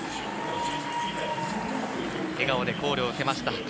笑顔でコールを受けました。